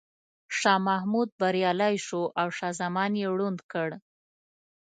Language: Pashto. شاه محمود بریالی شو او شاه زمان یې ړوند کړ.